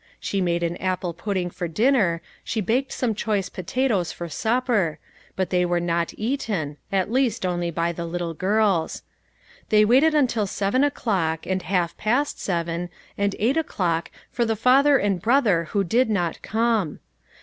She made an apple pudding for dinner, she baked some choice potatoes for supper; but they were not eaten, at least only by the little girls. They waited until seven o'clock, and half past seven, and eight o'clock for the father and brother who did not come.